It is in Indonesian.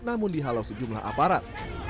namun dihalau sejumlah aparat